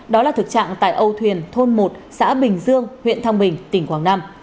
đó là thực trạng tại âu thuyền thôn một xã bình dương huyện thăng bình tỉnh quảng nam